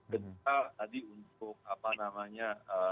kita tadi untuk apa namanya